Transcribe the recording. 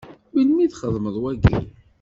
Melmi i txedmeḍ wagi?